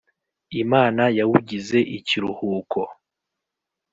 imana yawugize ikiruhuko